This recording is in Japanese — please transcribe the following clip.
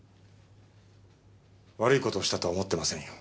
悪い事をしたとは思っていませんよ。